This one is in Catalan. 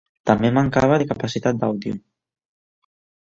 També mancava de capacitat d'àudio.